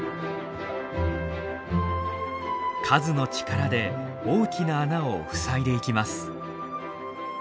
数の力で大きな穴を塞いでいきます。